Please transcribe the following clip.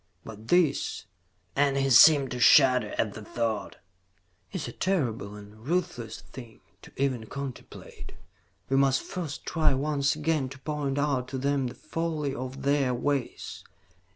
"But this," and he seemed to shudder at the thought, "is a terrible and a ruthless thing to even contemplate. We must first try once again to point out to them the folly of their ways.